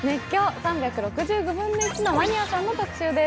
１／３６５のマニアさん」の特集です。